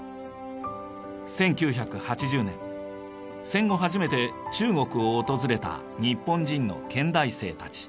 １９８０年戦後初めて中国を訪れた日本人の建大生たち。